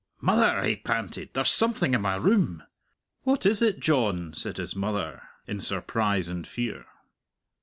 "Mother," he panted, "there's something in my room!" "What is it, John?" said his mother, in surprise and fear.